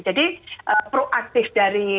jadi proaktif dari